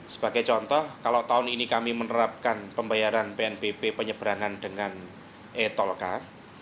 sebagai contoh kalau tahun ini kami menerapkan pembayaran pnpp penyeberangan dengan e toll car